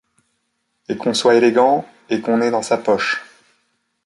Et qu'on soit élégant, et qu'on n'ait dans sa poche